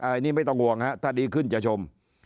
อันนี้ไม่ต้องห่วงฮะถ้าดีขึ้นจะชม